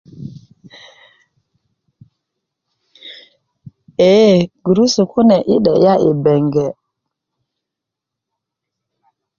eee gurusu kune yi 'de'ya i beŋge